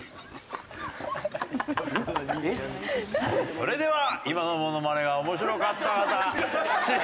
それでは今のモノマネが面白かった方スイッチオン！